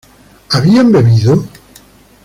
¿habían bebido?